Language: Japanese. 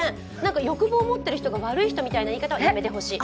欲望を持っている人悪いみたいな言い方はやめてほしい。